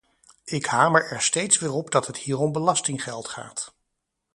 Ik hamer er steeds weer op dat het hier om belastinggeld gaat.